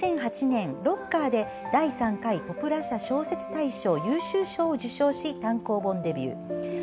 ２００８年「ＲＯＣＫＥＲ」で第３回ポプラ社小説大賞優秀賞を受賞し、単行本デビュー。